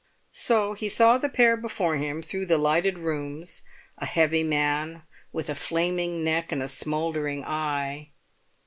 So he saw the pair before him through the lighted rooms, a heavy man with a flaming neck and a smouldering eye.